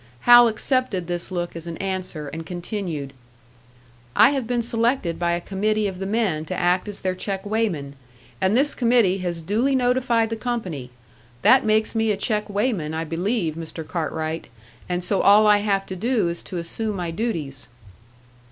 Hal accepted this look as an answer, and continued, "I have been selected by a committee of the men to act as their check weighman, and this committee has duly notified the company. That makes me a check weighman, I believe, Mr. Cartwright, and so all I have to do is to assume my duties."